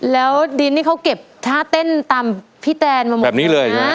แล้วดินนี่เขาเก็บท่าเต้นตามพี่แตนมาหมดแบบนี้เลยนะ